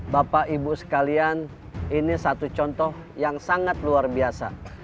bapak ibu sekalian ini satu contoh yang sangat luar biasa